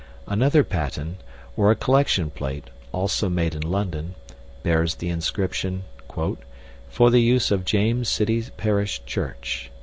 Another paten, or a collection plate (also made in London), bears the inscription: "For the use of James City Parish Church."